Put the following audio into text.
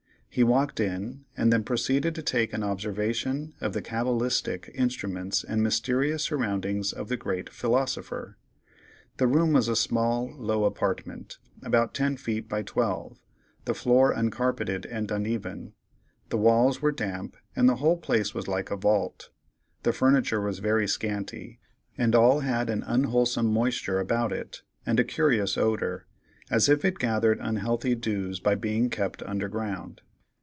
He walked in, and then proceeded to take an observation of the cabalistic instruments and mysterious surroundings of the great philosopher. The room was a small, low apartment, about ten feet by twelve, the floor uncarpeted and uneven; the walls were damp, and the whole place was like a vault. The furniture was very scanty, and all had an unwholesome moisture about it, and a curious odor, as if it gathered unhealthy dews by being kept underground.